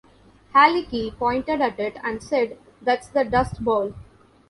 Halicki pointed at it and said, That's the dust bowl.